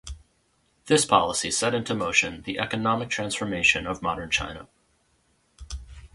This policy set into motion the economic transformation of modern China.